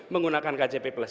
menggunakan kjp plus